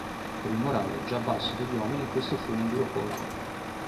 Per il morale già basso degli uomini questo fu un duro colpo.